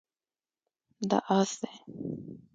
دا اس دی